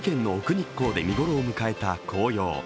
日光で見頃を迎えた紅葉。